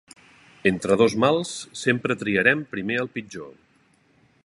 Entre dos mals, sempre triarem primer el pitjor.